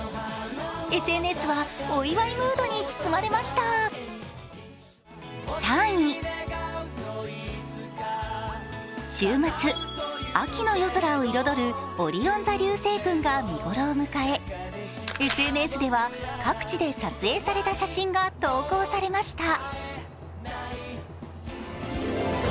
ＳＮＳはお祝いムードに包まれました週末、秋の夜空を彩るオリオン座流星群が見頃を迎え、ＳＮＳでは各地で撮影された写真が投稿されました。